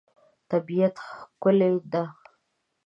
طبیعت ښکلی دی.